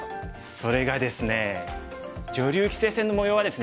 それがですね女流棋聖戦のもようはですね